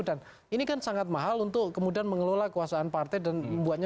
dan ini kan sangat mahal untuk kemudian mengelola kekuasaan partai dan membuatnya